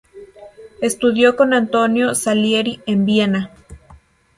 Estudió con Antonio Salieri en Viena.